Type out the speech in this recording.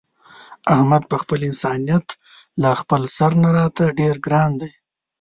احمد په خپل انسانیت له خپل سر نه راته ډېر ګران دی.